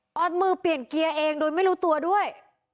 เอามือเปลี่ยนเกียร์เองโดยไม่รู้ตัวด้วย